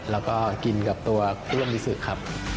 แล้วก็กินกับตัวต้วมิสุครับ